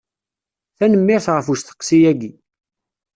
Tanemmirt ɣef usteqsi-agi.